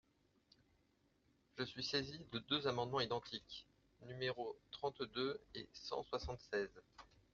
Je suis saisi de deux amendements identiques, numéros trente-deux et cent soixante-seize.